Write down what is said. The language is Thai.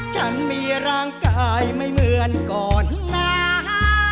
ฉันมีร่างกายไม่เหมือนคนนั้น